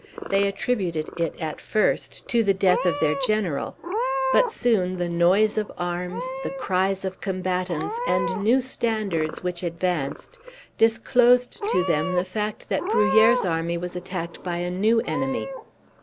They attributed it at first to the death of their general, but soon the noise of arms, the cries of combatants, and new standards which advanced, disclosed to them the fact that Bruhier's army was attacked by a new enemy.